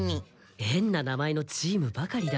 変な名前のチームばかりだ。